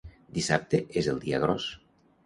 Dissabte és el dia gros.